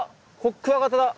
クワガタだ。